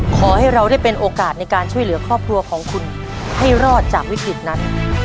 ขอให้เราได้เป็นโอกาสในการช่วยเหลือครอบครัวของคุณให้รอดจากวิกฤตนั้น